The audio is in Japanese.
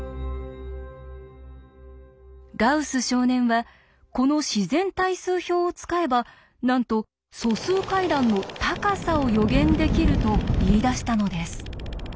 ガウス少年はこの自然対数表を使えばなんと素数階段の「高さ」を予言できると言いだしたのです。